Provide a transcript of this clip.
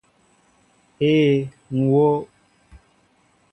Ee, ŋ wóó.